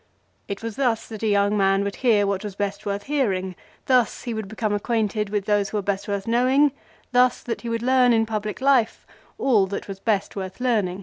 It was thus that a young man would hear what was best worth hearing, thus he would become acquainted with those who were best worth knowing, thus that he would learn in public life all that was best worth learning.